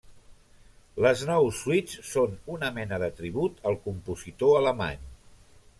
Les nou suites són una mena de tribut al compositor alemany.